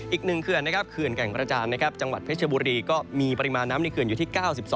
อีก๑เขื่อนนะครับเขื่อนแก่งกระจานนะครับจังหวัดเพชรบุรีก็มีปริมาณน้ำในเขื่อนอยู่ที่๙๒